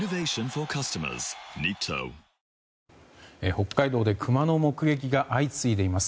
北海道でクマの目撃が相次いでいます。